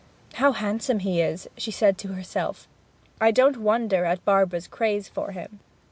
'How handsome he is!' she said to herself. 'I don't wonder at Barbara's craze for him.'